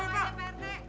bapak masih berdiri kok